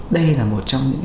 đây là một trong những